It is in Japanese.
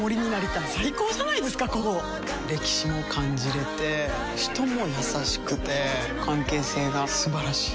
歴史も感じれて人も優しくて関係性が素晴らしい。